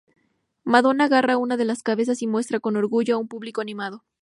Madonna agarra una de las cabezas y muestra con orgullo a un público animando.